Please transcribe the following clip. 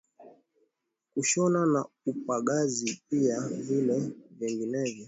Kushona na upagazi, pia vile vyenginevyo